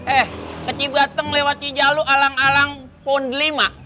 eh kecik ganteng lewat cijalu alang alang pun lima